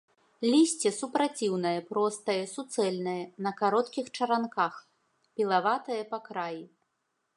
Лісце супраціўнае, простае, суцэльнае, на кароткіх чаранках, пілаватае па краі.